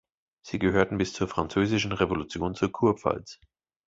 Sie gehörten bis zur französischen Revolution zur Kurpfalz.